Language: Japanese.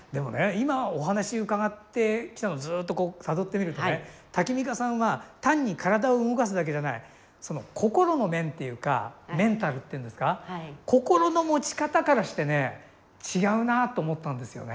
今お話伺ってきたのをずっとこうたどってみるとねタキミカさんは単に体を動かすだけじゃないその心の面っていうかメンタルっていうんですか心の持ち方からしてね違うなと思ったんですよね。